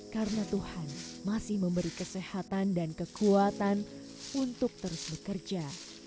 karena tuhan masih memberi kesehatan dan kekuatan untuk terus bekerja